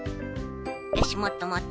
よしもっともっと！